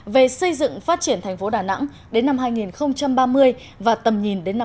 về xây dựng phát triển thành phố đà nẵng đến năm hai nghìn ba mươi và tầm nhìn đến năm hai nghìn năm mươi